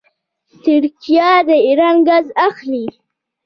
ترکیه د ایران ګاز اخلي.